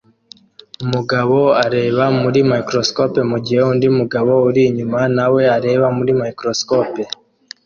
Umugabo areba muri microscope mugihe undi mugabo uri inyuma nawe areba muri microscope